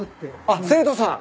あっ生徒さん？